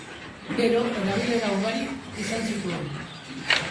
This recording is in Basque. Gero, erabilera ugari izan zituen.